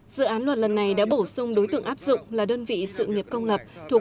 dự án luật lần này đã bổ sung đối tượng áp dụng là đơn vị sự nghiệp công lập thuộc